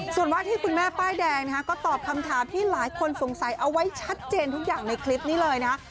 ส่วนว่าที่คุณแม่ป้ายแดงนะฮะก็ตอบคำถามที่หลายคนสงสัยเอาไว้ชัดเจนทุกอย่างในคลิปนี้เลยนะ